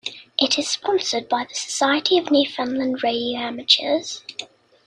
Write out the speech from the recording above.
It is sponsored by the Society Of Newfoundland Radio Amateurs.